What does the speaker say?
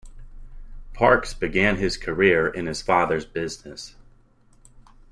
Parkes began his career in his father's business.